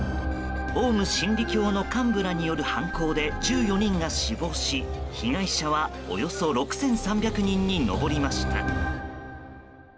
オウム真理教の幹部らによる犯行で１４人が死亡し被害者はおよそ６３００人に上りました。